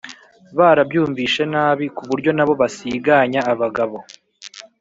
barabyumvishe nabi ku buryo nabo basiganya abagabo